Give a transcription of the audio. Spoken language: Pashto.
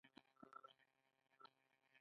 ایا نکریزې زما لاسونو ته تاوان لري؟